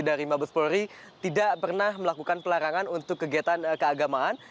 dari mabes polri tidak pernah melakukan pelarangan untuk kegiatan keagamaan